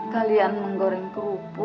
kalian menggoreng kerupuk